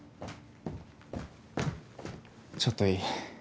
・ちょっといい？